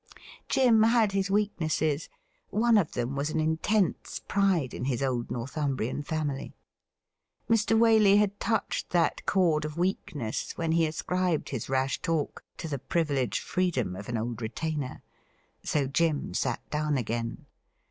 Jim had his weaknesses. One of them was an intense pride in his old Northumbrian family. Mr. Waley had touched that chord of weakness when he ascribed his rash talk to the privileged freedom of an old retainer. So Jim sat down again.